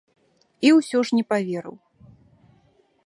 І ўсё ж не паверыў.